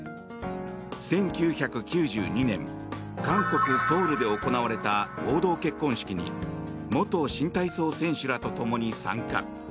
１９９２年韓国ソウルで行われた合同結婚式に元新体操選手らとともに参加。